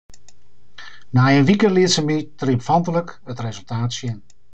Nei in wike liet se my triomfantlik it resultaat sjen.